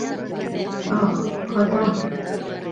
Ах, хата!